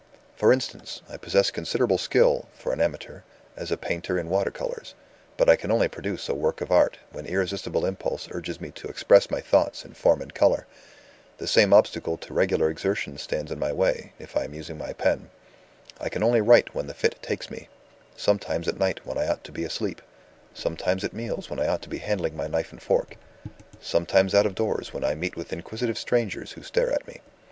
"For instance, I possess considerable skill (for an amateur) as a painter in water colors. But I can only produce a work of art, when irresistible impulse urges me to express my thoughts in form and color. The same obstacle to regular exertion stands in my way, if I am using my pen. I can only write when the fit takes me sometimes at night when I ought to be asleep; sometimes at meals when I ought to be handling my knife and fork; sometimes out of doors when I meet with inquisitive strangers who stare at me.